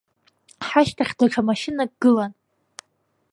Ҳашьҭахь даҽа машьынак гылан.